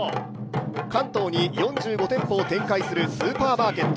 関東に４５店舗を展開するスーパーマーケット。